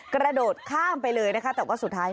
กระโดดข้ามไปเลยนะคะแต่ว่าสุดท้าย